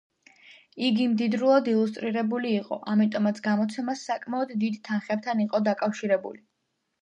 იგი მდიდრულად ილუსტრირებული იყო, ამიტომაც გამოცემა საკმაოდ დიდ თანხებთან იყო დაკავშირებული.